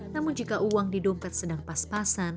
namun jika uang di dompet sedang pas pasan